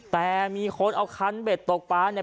แต่มีคนเอาคันเบ็ดตกปลาเนี่ย